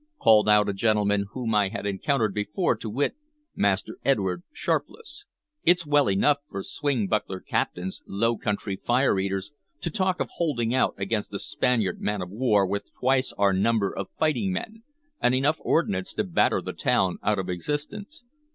called out a gentleman whom I had encountered before, to wit, Master Edward Sharpless. "It's well enough for swingebuckler captains, Low Country fire eaters, to talk of holding out againt a Spanish man of war with twice our number of fighting men, and enough ordnance to batter the town out of existence.